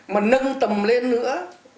mà nâng tầm lên nữa